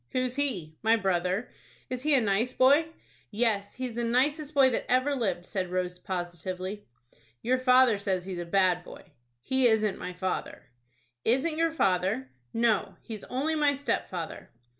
"Who's he?" "My brother." "Is he a nice boy?" "Yes, he's the nicest boy that ever lived," said Rose, positively. "Your father says he's a bad boy." "He isn't my father." "Isn't your father?" "No, he's only my stepfather."